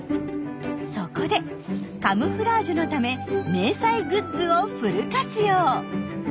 そこでカムフラージュのため迷彩グッズをフル活用！